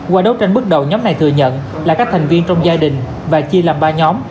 qua đấu tranh bước đầu nhóm này thừa nhận là các thành viên trong gia đình và chia làm ba nhóm